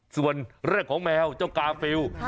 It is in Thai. ส่วนแรกของแมวเจ้ากาฟิว